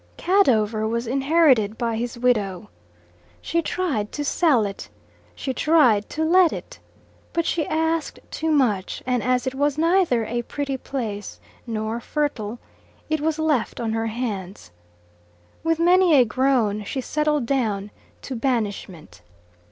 Cadover was inherited by his widow. She tried to sell it; she tried to let it; but she asked too much, and as it was neither a pretty place nor fertile, it was left on her hands. With many a groan she settled down to banishment.